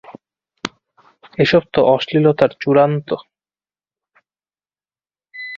এসব তো অশ্লীলতার চূড়ান্ত।